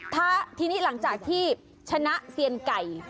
ถ้าทีนี้หลังจากที่ชนะเซียนไก่